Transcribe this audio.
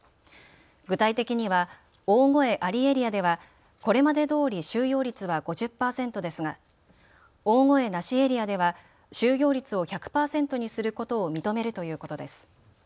具体的には、大声ありエリアではこれまでどおり収容率は５０％ですが、大声なしエリアでは収容率を１００％にすることを認めるということです。